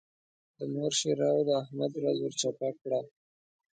د مور ښېراوو د احمد ورځ ور چپه کړه.